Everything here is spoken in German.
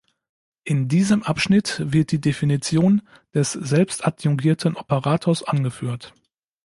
In diesem Abschnitt wird die Definition des selbstadjungierten Operators angeführt.